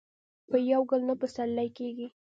په یو ګل نه پسرلی کېږي